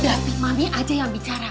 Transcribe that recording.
udah pi mami aja yang bicara